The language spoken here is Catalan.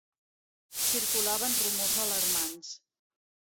Circulaven rumors alarmants